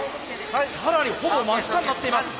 更にほぼ真下になっています。